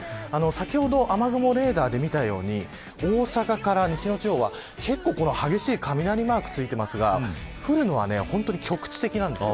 先ほど雨雲レーダーで見たように大阪から西の地方は激しい雷マークがついていますが降るのは本当に局地的です。